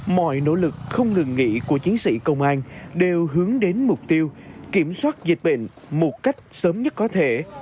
mọi nỗ lực không ngừng nghỉ của chiến sĩ công an đều hướng đến mục tiêu kiểm soát dịch bệnh một cách sớm nhất có thể